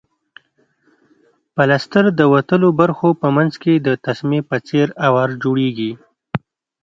پلستر د وتلو برخو په منځ کې د تسمې په څېر اوار جوړیږي.